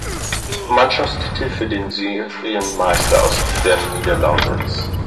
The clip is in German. Mannschaftstitel für den Serienmeister aus der Niederlausitz.